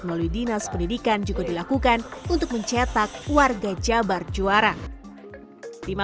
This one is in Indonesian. melalui dinas pendidikan juga dilakukan untuk mencetak warga jabar juara lima